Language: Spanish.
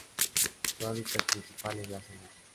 Su hábitat principal es la selva.